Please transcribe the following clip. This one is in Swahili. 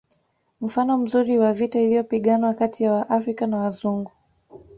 Mfano mzuri wa vita iliyopiganwa kati ya Waafrika na Wazungu